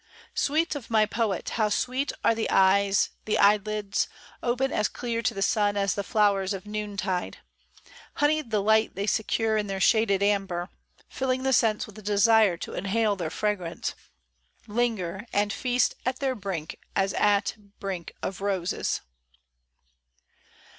SWEET of my Poet how sweet are the eyes, the eye lids, Open as clear to the sun as the flowers of noon tide ; Honeyed the light they secure in their shaded amber, Filling the sense with desire to inhale their fragrance, Linger, and feast at their brink as at brink of roses.